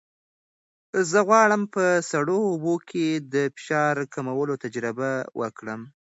زه غواړم په سړو اوبو کې د فشار کمولو تجربه وکړم.